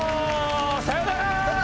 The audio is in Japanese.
さようなら！